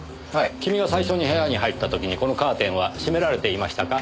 君が最初に部屋に入った時にこのカーテンは閉められていましたか？